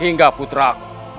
hingga putra aku